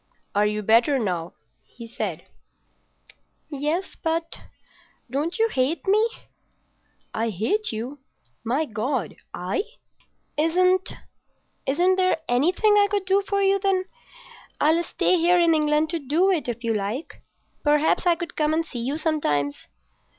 "Are you better now?" he said. "Yes, but—don't you hate me?" "I hate you? My God! I?" "Isn't—isn't there anything I could do for you, then? I'll stay here in England to do it, if you like. Perhaps I could come and see you sometimes."